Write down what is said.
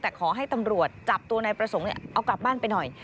แต่ขอให้ตำรวจจับตัวนายประสงค์เอากลับบ้านไปหน่อย